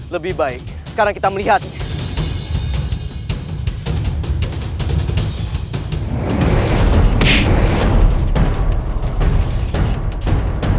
lebih baik sekarang kita melihat